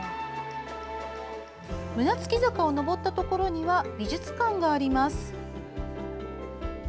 胸突坂を上ったところには美術館があります。